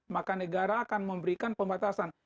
mereka akan memberikan pembatasan